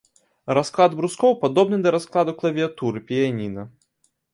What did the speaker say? Расклад брускоў падобны да раскладу клавіятуры піяніна.